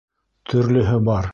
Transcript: — Төрлөһө бар.